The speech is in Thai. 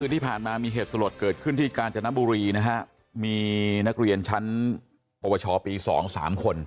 ที่ผ่านมามีเหตุสลดเกิดขึ้นที่กาญจนบุรีนะฮะมีนักเรียนชั้นปวชปี๒๓คน